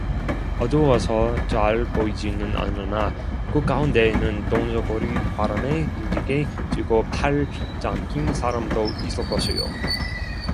어두워서 잘 보이지는 않으나 그 가운데에는 동저고리 바람에 빈지게 지고팔장낀 사람도 있을 것이요